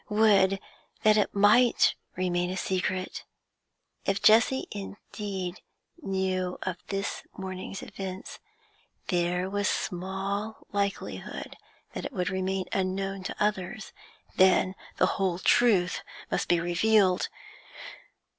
Would that it might remain a secret! If Jessie indeed knew of this morning's events, there was small likelihood that it would remain unknown to others; then the whole truth must be revealed.